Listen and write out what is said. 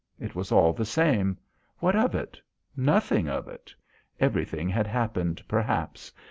It was all the same. What of it? Nothing of it. Everything had happened, perhaps.